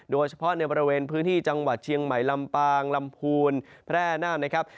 โดยเฉพาะในบริเวณพื้นที่จังหวัดเชียงใหม่ลำปางลำพูนแพร่น่านนะครับ